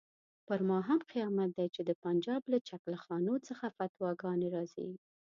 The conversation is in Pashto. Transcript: پر ما هم قیامت دی چې د پنجاب له چکله خانو څخه فتواګانې راځي.